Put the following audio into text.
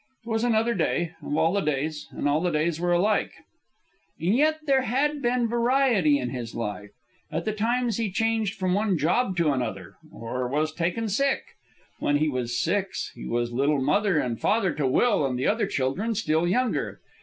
It was another day, of all the days, and all the days were alike. And yet there had been variety in his life at the times he changed from one job to another, or was taken sick. When he was six, he was little mother and father to Will and the other children still younger.